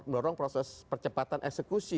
mendorong proses percepatan eksekusi